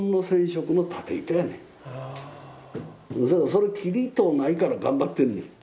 それ切りとうないから頑張ってんねん。